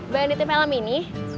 bayangin di tv lem ini